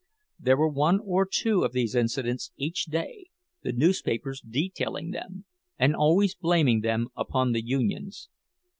There were one or two of these incidents each day, the newspapers detailing them, and always blaming them upon the unions.